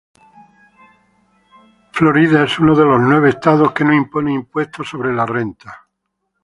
Florida es uno de los nueve estados que no impone impuestos sobre la renta.